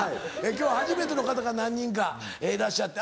今日は初めての方が何人かいらっしゃって。